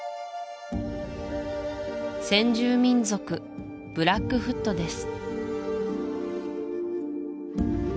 先住民族ブラックフットです